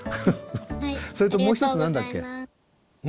それともう一つ何だっけ？